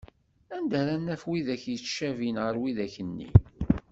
Anda ara naf widak yettcabin ar widak-nni?